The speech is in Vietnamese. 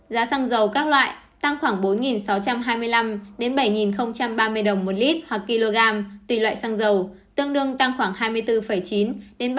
giá xăng dầu các loại tăng khoảng bốn sáu trăm hai mươi năm đến bảy ba mươi đồng một lít hoặc kg tùy loại xăng dầu tương đương tăng khoảng hai mươi bốn chín đến ba mươi chín sáu